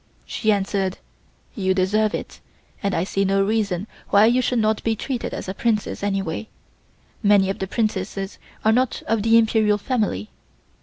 She answered: "You deserve it, and I see no reason why you should not be treated as a Princess anyway; many of the Princesses are not of the Imperial family.